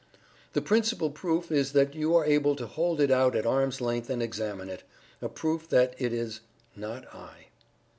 The principal proof is that you are able to hold it out at arm's length and examine it a proof that it is "not I."